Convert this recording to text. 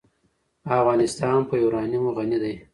افغانستان په یورانیم غني دی.